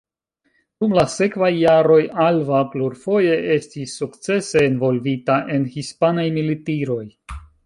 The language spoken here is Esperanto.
Dum la sekvaj jaroj Alva plurfoje estis sukcese envolvita en hispanaj militiroj.